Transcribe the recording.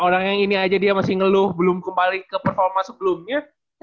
orang yang ini aja dia masih ngeluh belum kembali ke performa sebelumnya